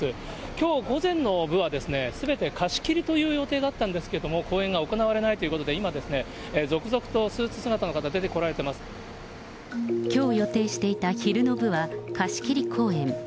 きょう午前の部は、すべて貸し切りという予定だったんですけれども、公演が行われないということで、今、続々と、スーツ姿の方、きょう予定していた昼の部は、貸し切り公演。